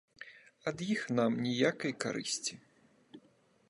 Ад іх нам ніякай карысці.